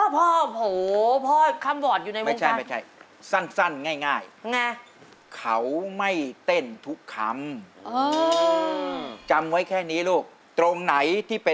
พ่อพ่อโอ้โฮพ่อคำบอร์ดอยู่ในมุมกันไม่ใช่